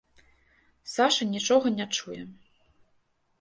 Саша нічога не чуе.